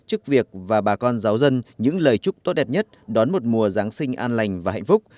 trước việc và bà con giáo dân những lời chúc tốt đẹp nhất đón một mùa giáng sinh an lành và hạnh phúc